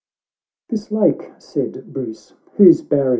XVI "This lake," said Bruce, '"whose barrier.